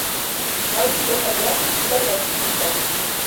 Lau pilotariak bikain aritu dira.